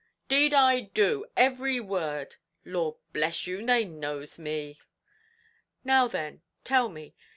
"'Deed I do every word; Lord bless you, they knows me." "Now, then, tell me.